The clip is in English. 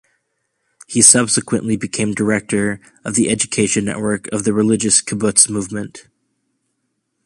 He subsequently became director of the education network of the Religious Kibbutz Movement.